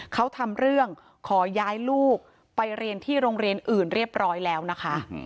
เขาทำเรื่องขอย้ายลูกไปเรียนที่โรงเรียนอื่นเรียบร้อยแล้วนะคะ